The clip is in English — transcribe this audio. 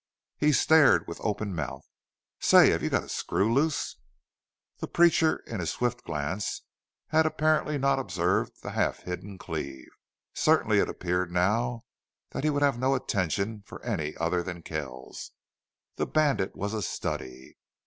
He stared with open mouth. "Say, have you got a screw loose?" The preacher, in his swift glance, had apparently not observed the half hidden Cleve. Certainly it appeared now that he would have no attention for any other than Kells. The bandit was a study.